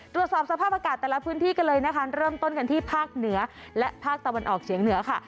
ตรวจสอบสภาพอากาศแต่ละพื้นที่กันเลยนะคะเริ่มต้นกันที่ภาคเหนือและภาคตะวันออกเฉียงเหนือค่ะ